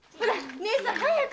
義姉さん早く！